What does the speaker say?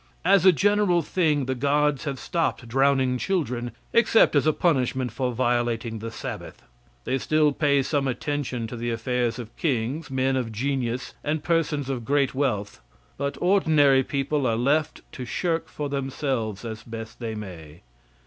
As a general thing, the gods have stopped drowning children, except as a punishment for violating the Sabbath. They still pay some attention to the affairs of kings, men of genius and persons of great wealth: but ordinary people are left to shift for themselves as best they may.